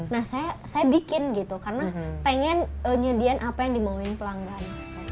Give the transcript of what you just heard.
nah saya bikin gitu karena pengen nyedian apa yang dimauin pelanggan